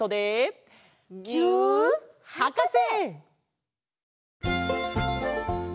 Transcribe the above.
「ぎゅーっはかせ」！